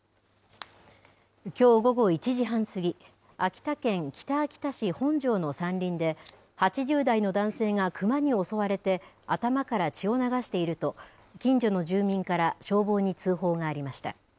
きょう午後１時半過ぎ、秋田県北秋田市ほんじょうの山林で、８０代の男性がクマに襲われて頭から血を流していると、近所の住民から消防に通報がありました。